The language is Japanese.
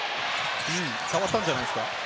触ったんじゃないですか？